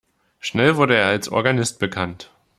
Schnell wurde er als Organist bekannt.